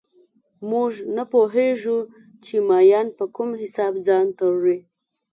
موږ نه پوهېږو چې مایان په کوم حساب ځان تړي